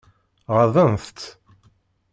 Ɣaḍent-tt?